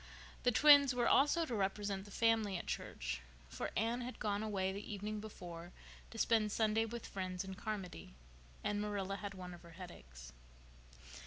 The twins were also to represent the family at church, for Anne had gone away the evening before to spend Sunday with friends in Carmody, and Marilla had one of her headaches.